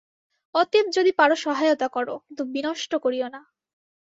অতএব যদি পার সহায়তা কর, কিন্তু বিনষ্ট করিও না।